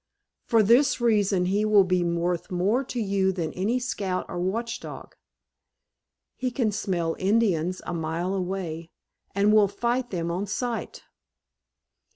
For this reason he will be worth more to you than any scout or watch dog; he can smell Indians a mile away, and will fight them on sight."